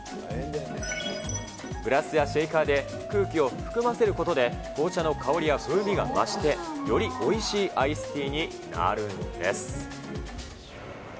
グラスやシェーカーで空気を含ませることで、紅茶の香りや風味が増してよりおいしいアイスティーになるんです。